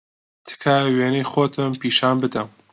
تکایە وێنەی خۆتم پیشان بدە.